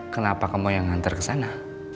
kenapa kamu yang nganter kesana